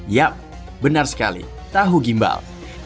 yap benar sekali tahu gimbal